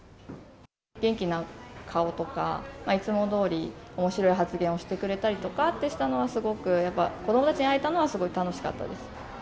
元気な顔とか、いつもどおりおもしろい発言をしてくれたりとかっていうのは、すごくやっぱり、子どもたちに会えたのはすごい楽しかったです。